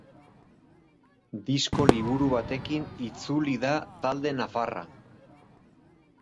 Disko-liburu batekin itzuli da talde nafarra.